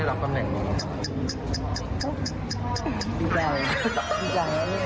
แล้วรู้สึกเห็นไงบ้างที่ได้รับตำแหน่งนี้